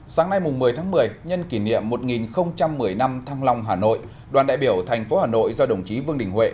sáng nay một mươi tháng một mươi nhân kỷ niệm một nghìn một mươi năm thăng long hà nội đoàn đại biểu thành phố hà nội do đồng chí vương đình huệ